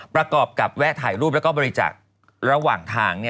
ประกอบกับแวะถ่ายรูปแล้วก็บริจาคระหว่างทาง